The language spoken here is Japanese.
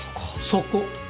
そこ。